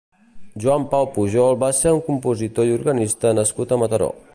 Joan Pau Pujol va ser un compositor i organista nascut a Mataró.